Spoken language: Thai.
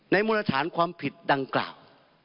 มูลฐานความผิดดังกล่าว